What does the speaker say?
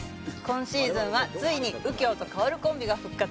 今シーズンはついに右京と薫コンビが復活。